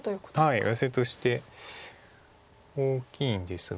はいヨセとして大きいんですが。